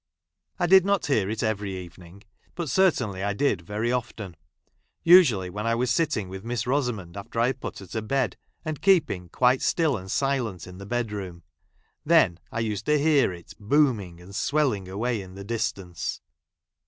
I did not hear it every evening ; but, certainly, I did ■ I very often ; usually wien I was sitting with I j Miss Rosamond, after I had put her to bed, ^ i and keeping quite still and silent in the bed ! room. Then I used to hear it booming and i swelling away in the distance.